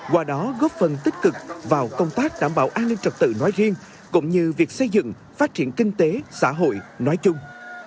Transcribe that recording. qua đó góp phần tích cực vào công tác đảm bảo an ninh trật tự nói riêng cũng như việc xây dựng phát triển kinh tế xã hội nói chung